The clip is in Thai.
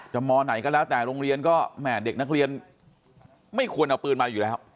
มไหนก็แล้วแต่โรงเรียนก็แหม่เด็กนักเรียนไม่ควรเอาปืนมาอยู่แล้ว